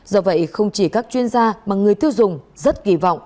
do vậy không chỉ các chuyên gia mà người tiêu dùng rất kỳ vọng